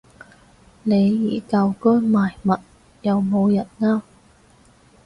李怡舊居賣物，有冇人啱